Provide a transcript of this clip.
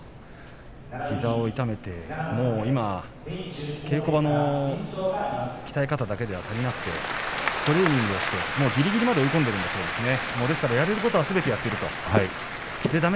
膝を痛めて稽古場の鍛え方だけでは足りなくてトレーニングをしてぎりぎりまで追い込んでいるんだとやれることはすべてやっているんだ